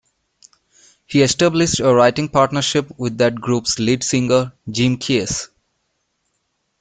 He established a writing partnership with that group's lead singer, Jim Keays.